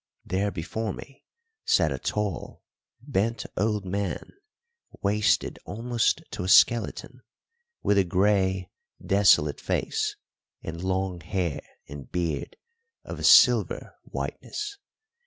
There before me sat a tall, bent old man, wasted almost to a skeleton, with a grey, desolate face and long hair and beard of a silver whiteness.